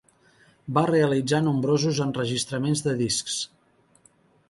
Va realitzar nombrosos enregistraments de discs.